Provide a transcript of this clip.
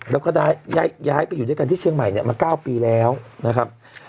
แล้วก็ย้ายไปอยู่ด้วยกันที่เชียงใหม่เนี่ยมา๙ปีแล้วนะครับ